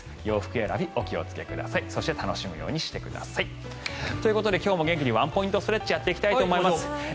洋服選び、お気をつけくださいそして楽しむようにしてください。ということで今日も元気にワンポイントストレッチをやっていきたいと思います。